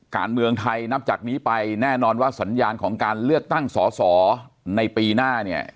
การเมืองไทยนับจากนี้ไปแน่นอนว่าสัญญาณของการเลือกตั้งสอสอในปีหน้าเนี่ย